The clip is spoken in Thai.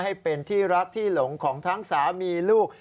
ให้เป็นที่รักที่หลงของทั้งสามีลูก